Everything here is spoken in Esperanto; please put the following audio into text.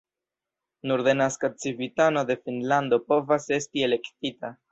Nur denaska civitano de Finnlando povas esti elektita.